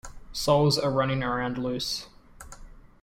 Souls are running around loose.